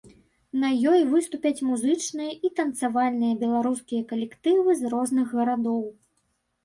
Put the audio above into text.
На ёй выступяць музычныя і танцавальныя беларускія калектывы з розных гарадоў.